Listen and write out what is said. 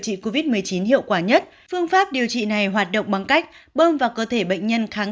trị covid một mươi chín hiệu quả nhất phương pháp điều trị này hoạt động bằng cách bơm vào cơ thể bệnh nhân kháng